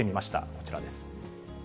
こちらです。